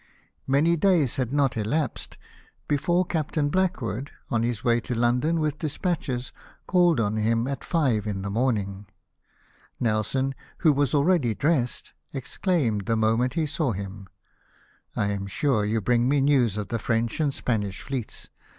Many days had not elapsed before Captain Blackwood, on his way to London with despatches, called on him at five in the morning. Nelson, who was already dressed, exclaimed, the moment he saw him :" I am sure you bring me news of the French and Spanish fleets